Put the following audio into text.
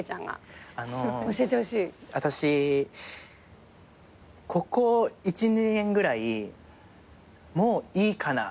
私ここ１２年ぐらいもういいかなって。